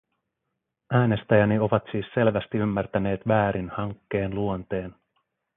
Äänestäjäni ovat siis selvästi ymmärtäneet väärin hankkeen luonteen.